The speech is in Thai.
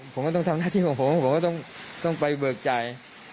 ผมก็ต้องทำหน้าที่ของผมผมก็ต้องไปเบิกจ่าย